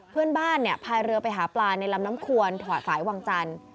เพื่อนบ้านเนี่ยพายเรือไปหาปลาในลำน้ำควนถวัดฝายวังจันทร์